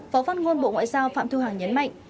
phó phát ngôn bộ ngoại giao phạm thu hằng nhấn mạnh